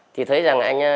thì thấy rằng anh